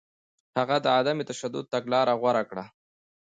هغه د عدم تشدد تګلاره غوره کړه.